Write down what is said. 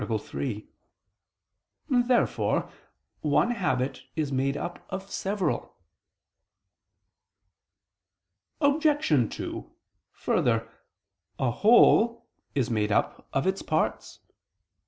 3). Therefore one habit is made up of several. Obj. 2: Further, a whole is made up of its parts.